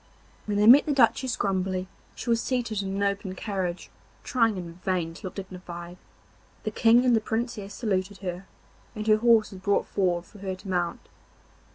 When they met the Duchess Grumbly she was seated in an open carriage trying in vain to look dignified. The King and the Princess saluted her, and her horse was brought forward for her to mount.